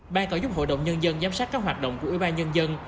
ban có giúp hội đồng nhân dân giám sát các hoạt động của ủy ban nhân dân